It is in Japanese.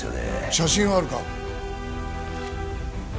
写真はあるか？